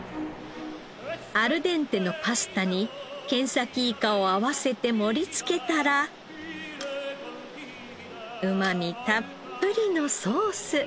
アルデンテのパスタにケンサキイカを合わせて盛りつけたらうまみたっぷりのソース。